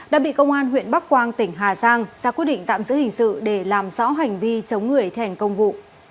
đã bị công an huyện bắc quang tỉnh hà giang ra quyết định tạm giữ hình sự để làm rõ hành vi chống người thẻnh công vụ